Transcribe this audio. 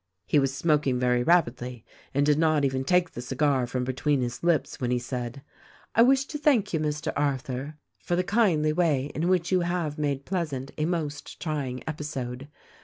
"He was smoking very rapidly and did not even take the cigar from between his lips when he said. T wash to thank you, Mr. Arthur, for the kindly way in which you have made pleasant a most trying episode.